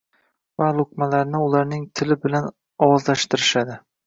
va luqmalarni ularning tili bilan ovozlashtirishadi.